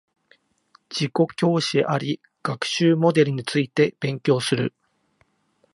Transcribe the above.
自己教師あり学習モデルについて勉強する